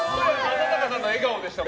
正隆さんの笑顔でしたね。